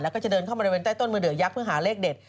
แล้วก็จะเดินเข้าบริเวณใต้ต้นมือเดือยักษ์เพื่อหาเลขเด็ด